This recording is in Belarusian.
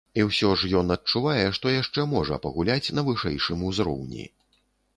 І ўсё ж ён адчувае, што яшчэ можа пагуляць на вышэйшым узроўні.